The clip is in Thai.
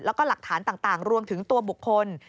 แล้วก็หลักฐานต่างรวมถึงตัวบุคคล